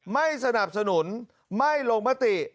ไม่สนับสนุนไม่ลงมติ